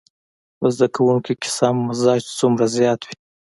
په زده کوونکي کې سم مزاج څومره زيات وي.